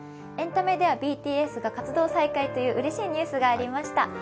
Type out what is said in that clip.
エンタメではＢＴＳが活動再開といううれしいニュースがありました。